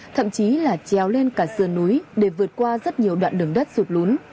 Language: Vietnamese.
thậm chí là treo lên cả sườn núi để vượt qua rất nhiều đoạn đường đất sụt lún